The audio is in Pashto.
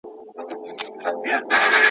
انسانان له دواړو سره عيار شوي دي.